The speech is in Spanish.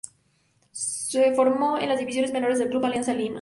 Se formó en las divisiones menores del Club Alianza Lima.